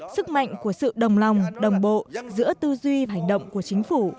sức mạnh của sự đồng lòng đồng bộ giữa tư duy hành động của chính phủ